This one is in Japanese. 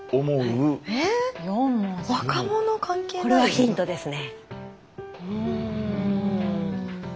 これはヒントですね。